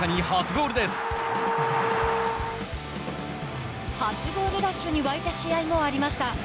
初ゴールラッシュに沸いた試合もありました。